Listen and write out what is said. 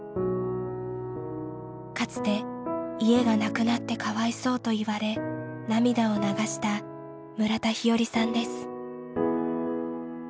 かつて「家がなくなってかわいそう」と言われ涙を流した村田日和さんです。